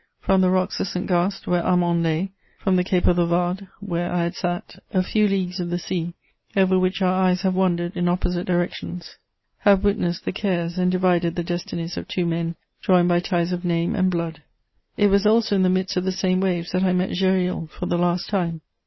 From the rocks of Saint Cast where Armand lay, from the cape of the Varde where I had sat, a few leagues of the sea, over which our eyes have wandered in opposite directions, have witnessed the cares and divided the destinies of two men joined by ties of name and blood. It was also in the midst of the same waves that I met Gesril for the last time.